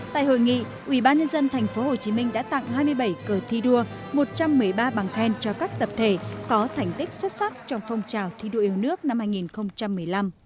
tại hội nghị ubnd tp hcm đã tặng hai mươi bảy cờ thi đua một trăm một mươi ba bằng khen cho các tập thể có thành tích xuất sắc trong phong trào thi đua yêu nước năm hai nghìn một mươi năm